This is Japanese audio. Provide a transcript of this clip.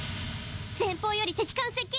前方より敵艦接近！